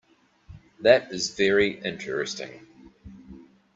That is very interesting.